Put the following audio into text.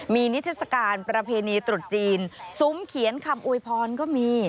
มีนิทัศกาลประเพณีตรุษจีนซุ้มเขียนคำอวยพรก็มี